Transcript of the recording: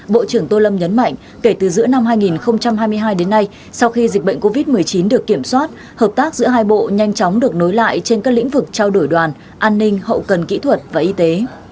bộ trưởng tô lâm nhấn mạnh kể từ giữa năm hai nghìn hai mươi hai đến nay sau khi dịch bệnh covid một mươi chín được kiểm soát hợp tác giữa hai bộ nhanh chóng được nối lại trên các lĩnh vực trao đổi đoàn an ninh hậu cần kỹ thuật và y tế